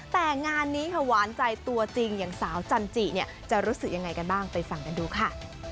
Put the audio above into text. แต่งานนี้ค่ะหวานใจตัวจริงอย่างสาวจันจิเนี่ยจะรู้สึกยังไงกันบ้างไปฟังกันดูค่ะ